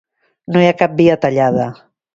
No hi ha cap via tallada.